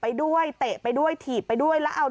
ไปด้วยเตะไปด้วยถีบไปกันด้วย